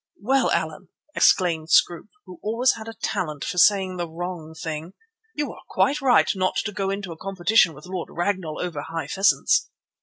"Well, Allan," exclaimed Scroope, who always had a talent for saying the wrong thing, "you are quite right not to go into a competition with Lord Ragnall over high pheasants."